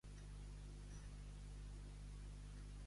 Diga-la-hi, diga-la-hi; en ser casada, ja no hi ha remei.